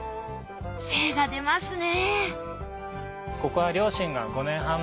精が出ますね